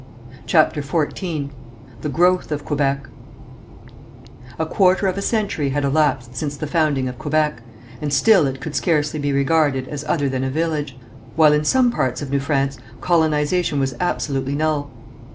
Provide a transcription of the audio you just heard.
CHAPTER XIV THE GROWTH OF QUEBEC A quarter of a century had elapsed since the founding of Quebec, and still it could scarcely be regarded as other than a village, while in some parts of New France colonization was absolutely null.